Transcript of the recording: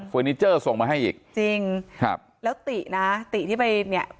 นิเจอร์ส่งมาให้อีกจริงครับแล้วตินะติที่ไปเนี่ย